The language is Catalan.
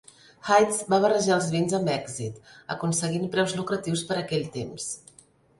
Heitz va barrejar els vins amb èxit, aconseguint preus lucratius per aquell temps.